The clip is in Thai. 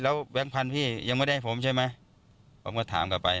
ถ้าให้ไปหมดก็ไม่เหลือก็เลย